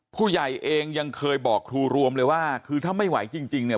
ผู้ใหญ่เองยังเคยบอกครูรวมเลยว่าคือถ้าไม่ไหวจริงเนี่ย